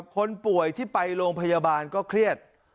คนป่วยที่ไปโรงพยาบาลก็เครียด